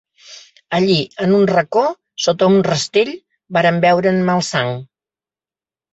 Allí, en un reco, sota un rastell, varen veure a en Malsang.